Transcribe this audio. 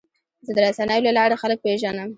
زه د رسنیو له لارې خلک پېژنم.